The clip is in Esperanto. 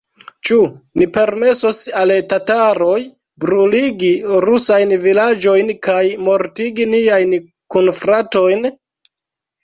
Ĉu ni permesos al tataroj bruligi rusajn vilaĝojn kaj mortigi niajn kunfratojn?